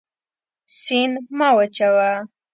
سیند مه وچوه.